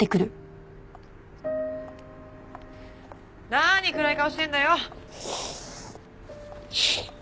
何暗い顔してんだよ。